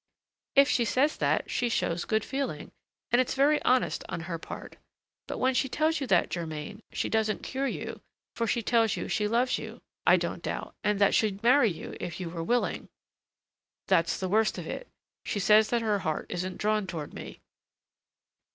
"If she says that, she shows good feeling, and it's very honest on her part. But when she tells you that, Germain, she doesn't cure you, for she tells you she loves you, I don't doubt, and that she'd marry you if we were willing." "That's the worst of it! she says that her heart isn't drawn toward me."